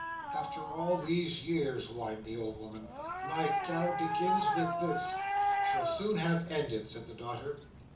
"After all these years!" whined the old woman. "My gal begins with this." "She'll soon have ended," said the daughter.